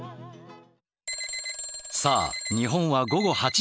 さあ日本は午後８時３０分。